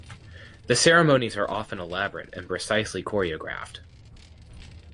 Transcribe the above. The ceremonies are often elaborate and precisely choreographed.